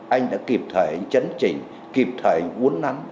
anh đã kịp thời chấn chỉnh kịp thời uốn nắn